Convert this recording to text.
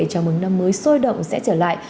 trong mừng năm mới sôi động sẽ trở lại